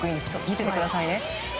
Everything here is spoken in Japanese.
見てくださいね。